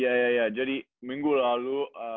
ya ya ya jadi minggu lalu